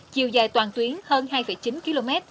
chiều dài toàn tuyến hơn hai chín km